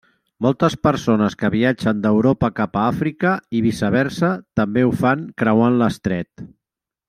Moltes persones que viatgen d'Europa cap a Àfrica i viceversa també ho fan creuant l'estret.